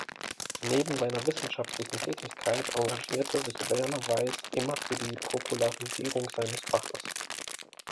Neben seiner wissenschaftlichen Tätigkeit engagierte sich Werner Weiss immer für die Popularisierung seines Faches.